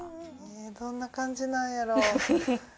どんな感じなんやろ。